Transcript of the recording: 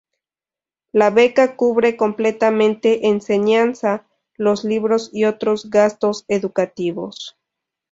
La beca cubre completamente enseñanza, los libros y otros gastos educativos.